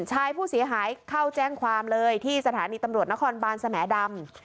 ชายผู้เสียหายเข้าแจ้งความเลยที่สถานีตำรวจนครบานสแหมดำ